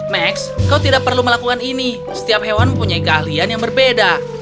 max kau tidak perlu melakukan ini setiap hewan mempunyai keahlian yang berbeda